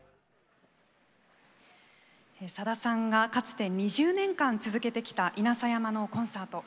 さださんがかつて２０年間続けてきた稲佐山のコンサート。